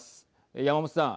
山本さん。